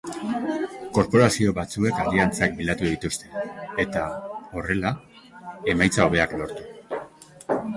Korporazio batzuek aliantzak bilatu dituzte, eta, horrela, emaitza hobeak lortu.